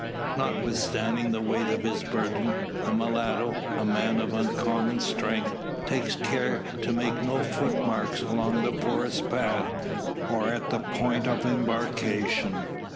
Notwithstanding the weight of his burden, the mulatto, a man of uncommon strength, takes care to make no footmarks along the forest path, or at the point of embarkation.